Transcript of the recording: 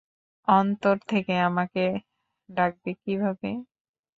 অন্তর থেকে আমাকে ডাকবে কিভাবে?